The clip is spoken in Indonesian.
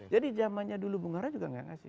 jadi zamannya dulu bung hara juga nggak ngasih